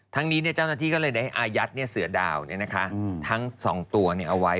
ทั้งนี้เจ้าหน้าที่ก็เลยได้อายัดเสือดาวทั้ง๒ตัวเอาไว้